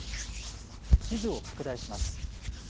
地図を拡大します。